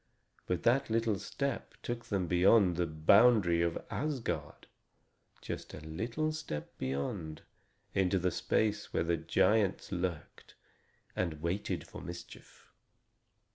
But that little step took them beyond the boundary of Asgard just a little step beyond, into the space where the giants lurked and waited for mischief.